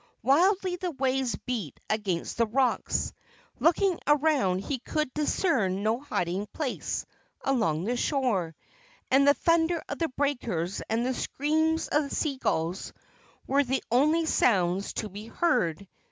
Wildly the waves beat against the rocks. Looking around, he could discern no hiding place along the shore, and the thunder of the breakers and the screams of the sea gulls were the only sounds to be heard.